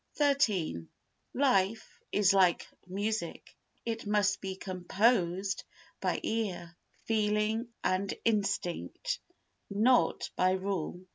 xiii Life is like music, it must be composed by ear, feeling and instinct, not by rule.